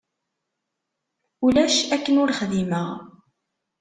Ulac akken ur xdimeɣ.